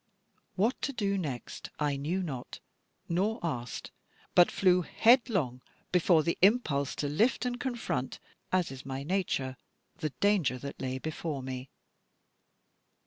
What to do next I knew not, nor asked, but flew headlong before the impulse, to lift and confront as is my nature the danger that lay before me.